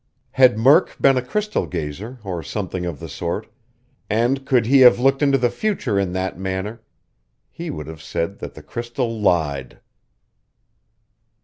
Had Murk been a crystal gazer or something of the sort, and could he have looked into the future in that manner, he would have said that the crystal lied.